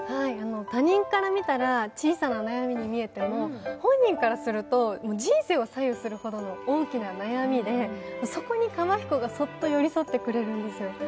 他人から見たら小さな悩みに見えても本人からすると人生を左右するほどの大きな悩みで、そこにカバヒコがそっと寄り添ってくれるんです。